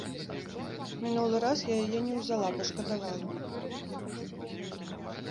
Мінулы раз я яе не ўзяла, пашкадавала.